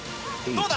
どうだ？